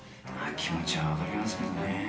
まあ気持ちは分かりますけどね。